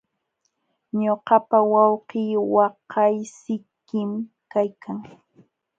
Ñuqapa wawqii waqaysikim kaykan.